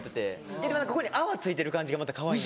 でもここに泡付いてる感じがまたかわいいなって。